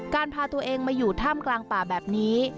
การพาตัวเองมาอยู่ท่ามกลางป่าแบบนี้